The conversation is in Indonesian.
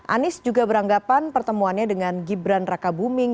anies juga beranggapan pertemuannya dengan gibran raka buming